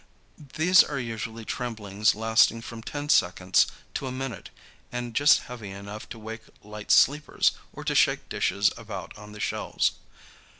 These are usually tremblings lasting from ten seconds to a minute and just heavy enough to wake light sleepers or to shake dishes about on the shelves.